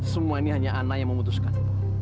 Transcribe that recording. semua ini hanya anak yang memutuskan